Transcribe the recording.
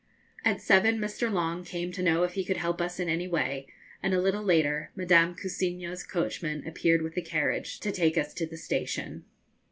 At seven Mr. Long came to know if he could help us in any way, and a little later Madame Cousiño's coachman appeared with the carriage, to take us to the station.